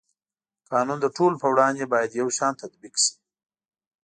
قانون د ټولو په وړاندې باید یو شان تطبیق شي.